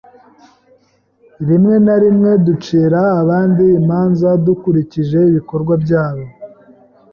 Rimwe na rimwe ducira abandi imanza dukurikije ibikorwa byabo.